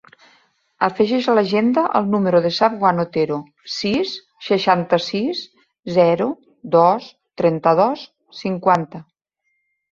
Afegeix a l'agenda el número del Safwan Otero: sis, seixanta-sis, zero, dos, trenta-dos, cinquanta.